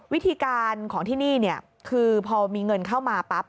วิธีการของที่นี่คือพอมีเงินเข้ามาปั๊บ